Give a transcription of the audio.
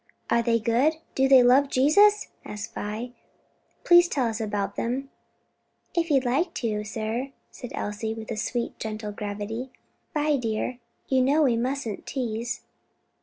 "Are they good? do they love Jesus?" asked Vi. "Please tell us about them." "If you like to, sir," said Elsie, with a sweet and gentle gravity. "Vi, dear, you know we mustn't tease."